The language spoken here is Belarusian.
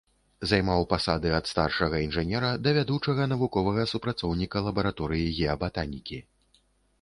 Займаў пасады ад старшага інжынера да вядучага навуковага супрацоўніка лабараторыі геабатанікі.